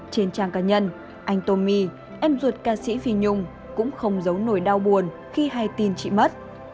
trên trang cá nhân anh tomi em ruột ca sĩ phi nhung cũng không giấu nổi đau buồn khi hay tin chị mất